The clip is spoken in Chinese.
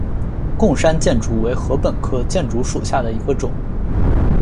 贡山箭竹为禾本科箭竹属下的一个种。